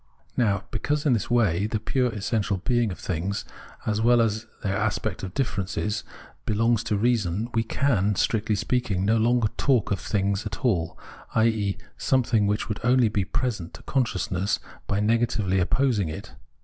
Now because, in this way, the pure essential being of things as well as their aspect of difference, belongs to reason, we can, strictly speaking, no longer talk of things at all, i.e. of something which would only be present to consciousness by negatively opposing it.